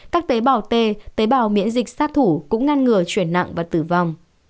các tế bào t tế bào miễn dịch sát thủ cũng ngăn ngừa chuyển nặng và tử vong